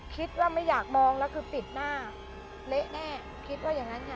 คิดว่าไม่อยากมองแล้วคือปิดหน้าเละแน่คิดว่าอย่างนั้นค่ะ